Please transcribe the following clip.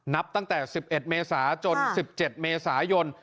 นับตั้งแต่๑๑เมษาจน๑๗เมษายน